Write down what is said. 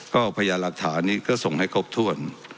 ก็พยายามหลักฐานนี้ก็ส่งให้ครบถ้วน